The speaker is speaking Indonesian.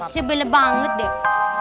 sebelah banget deh